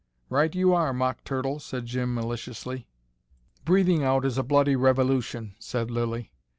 "Right you are, Mock Turtle " said Jim maliciously. "Breathing out is a bloody revolution," said Lilly.